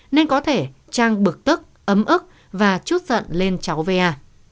nên có thể trang bực tức ấm ức và chút giận lên cháu va